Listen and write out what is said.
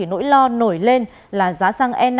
nỗi lo nổi lên là giá xăng e năm